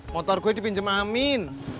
motor gue dipinjam amin